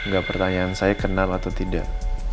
enggak pertanyaan saya kenal atau tidak